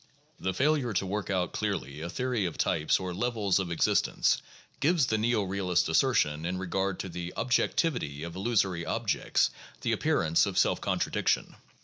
The failure to work out clearly a theory of types or levels of existence gives the neo realist assertion in regard to the objectivity of illusory objects the appearance of self contradiction.